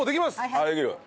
あっできる。